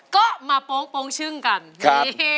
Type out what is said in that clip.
ก็มาโปร่งโปร่งชื่นกัน